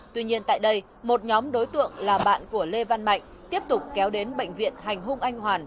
tuy nhiên tại đây một nhóm đối tượng là bạn của lê văn mạnh tiếp tục kéo đến bệnh viện hành hung anh hoàn